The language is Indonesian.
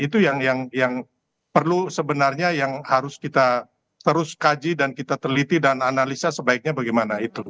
itu yang perlu sebenarnya yang harus kita terus kaji dan kita teliti dan analisa sebaiknya bagaimana itu